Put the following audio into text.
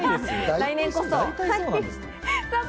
来年こそ。